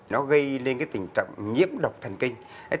nó gây lên tình trạng nhiễm độc thần kinh